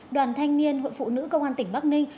đoàn thanh niên hội phụ nữ công an tỉnh bắc ninh